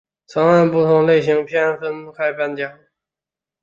曾按不同类型片分开颁奖等等。